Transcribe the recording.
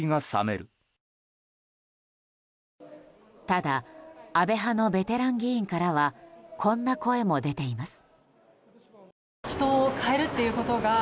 ただ、安倍派のベテラン議員からはこんな声も出ています。